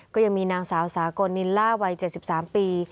ก็ยังมีนางสาวสากลนิลล่าวัย๗๓ปี